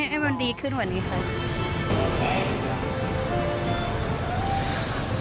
ให้มันดีขึ้นกว่านี้ค่ะ